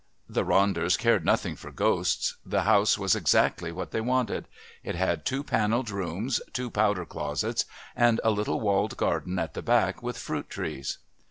The Ronders cared nothing for ghosts; the house was exactly what they wanted. It had two panelled rooms, two powder closets, and a little walled garden at the back with fruit trees.